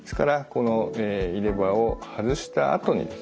この入れ歯を外したあとにですね